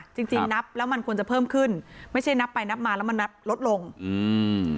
จริงจริงนับแล้วมันควรจะเพิ่มขึ้นไม่ใช่นับไปนับมาแล้วมันนับลดลงอืม